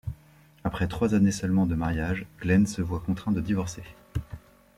Après trois années seulement de mariage, Glenn se voit contraint de divorcer.